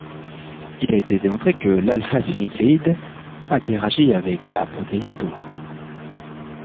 Il a été démontré que l'α-synucléine interagit avec la protéine tau.